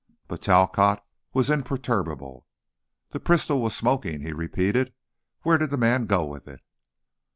But Talcott was imperturbable. "The pistol was smoking," he repeated, "where did the man go with it?"